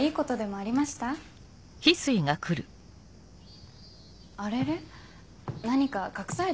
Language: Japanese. あれれ？